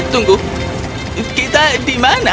tunggu kita di mana